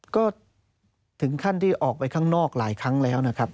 ก็ถึงขั้นที่ออกไปข้างนอกหลายครั้งแล้วนะครับ